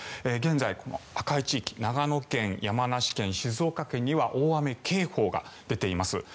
現在、赤い地域長野県、山梨県、静岡県には大雨警報が出ています。